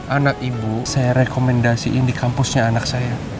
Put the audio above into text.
anak ibu saya rekomendasiin di kampusnya anak saya